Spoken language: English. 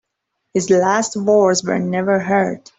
His last words were never heard.